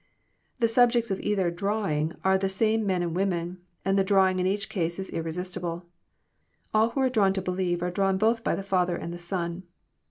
The subjects of either drawing " ar f the same men and women, and the drawing in either case is irresistible. All who are drawn to believe are drawn both I y the Father and the Son.